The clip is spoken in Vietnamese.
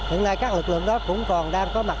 hiện nay các lực lượng đó cũng còn đang có mặt